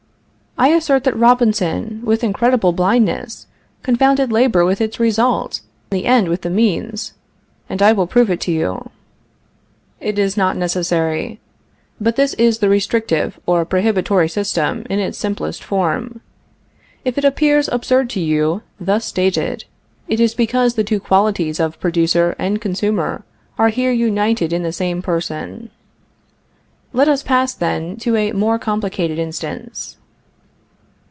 I assert, that Robinson, with incredible blindness, confounded labor with its result, the end with the means, and I will prove it to you. It is not necessary. But this is the restrictive or prohibitory system in its simplest form. If it appears absurd to you, thus stated, it is because the two qualities of producer and consumer are here united in the same person. Let us pass, then, to a more complicated instance.